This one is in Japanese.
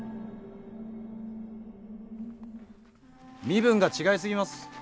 身分が違い過ぎます。